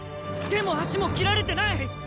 手も足も切られてない！